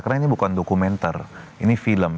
karena ini bukan dokumenter ini film